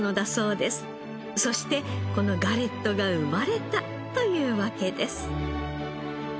そしてこのガレットが生まれたというわけです。